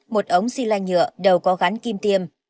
một ống xy lanh nhựa đầu có gắn kim tiêm